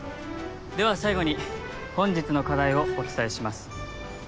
では最後に本日の課題をお伝えします。